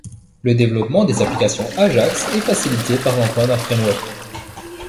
Le développement des applications ajax est facilité par l'emploi d'un framework.